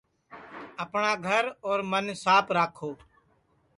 اپٹؔا گھر اور من ساپ راکھو